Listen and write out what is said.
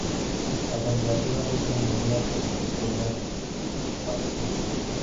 La candidatura fue promovida por el entorno de Batasuna.